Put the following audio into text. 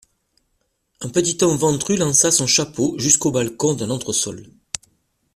Un petit homme ventru lança son chapeau jusqu'au balcon d'un entresol.